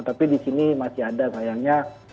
tapi di sini masih ada sayangnya